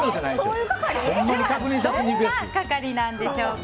どんな係なのでしょうか。